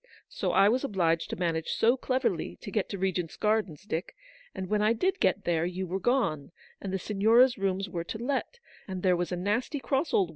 So I was obliged to manage so cleverly to get to Regent's Gardens, Dick j and when I did get there you were gone, and the Signora's rooms were to let, and there was a nasty cross old 104 ELEANOR'S VICTORY.